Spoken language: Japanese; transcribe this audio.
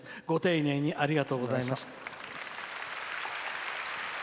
ご丁寧にありがとうございます。